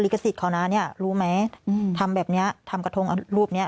ขสิทธิ์เขานะเนี่ยรู้ไหมอืมทำแบบนี้ทำกระทงรูปเนี้ย